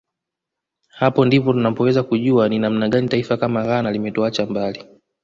Hapo ndipo tunapoweza kujua ni namna gani taifa kama Ghana limetuacha mbali